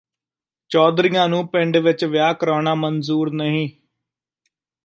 ਚੌਧਰੀਆਂ ਨੂੰ ਪਿੰਡ ਵਿੱਚ ਵਿਆਹ ਕਰਾਉਣਾ ਮਨਜੂਰ ਨਹੀਂ